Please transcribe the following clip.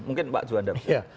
mungkin pak juwanda